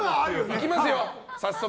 いきますよ早速。